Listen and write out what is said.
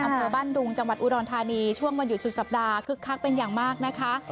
อำเภอบ้านดุงจังหวัดอุดรธานีช่วงวันหยุดสุดสัปดาห์คึกคักเป็นอย่างมากนะคะ